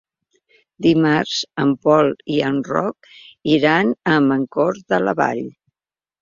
Dimarts en Pol i en Roc iran a Mancor de la Vall.